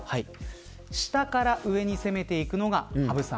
下から上に攻めていくのが羽生さん。